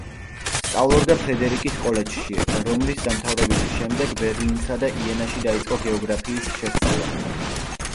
სწავლობდა ფრედერიკის კოლეჯში, რომლის დამთავრების შემდეგ ბერლინსა და იენაში დაიწყო გეოგრაფიის შესწავლა.